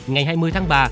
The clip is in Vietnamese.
ngày hai mươi tháng ba